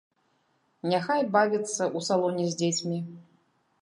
Няхай бавіцца ў салоне з дзецьмі.